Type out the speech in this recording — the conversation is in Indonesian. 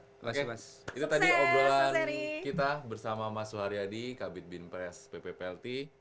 itu tadi obrolan kita bersama mas suharyadi kabit bin pres pp plt